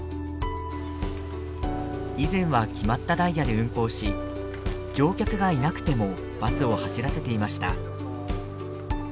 以前は決まったダイヤで運行し乗客がいなくてもバスを走らせていました。